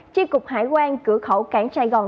chi cục hải quan cửa khẩu cảng sài gòn